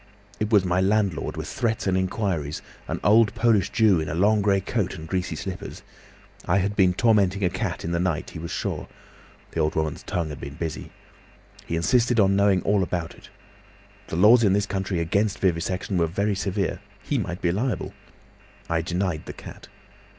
It was my landlord with threats and inquiries, an old Polish Jew in a long grey coat and greasy slippers. I had been tormenting a cat in the night, he was sure—the old woman's tongue had been busy. He insisted on knowing all about it. The laws in this country against vivisection were very severe—he might be liable. I denied the cat.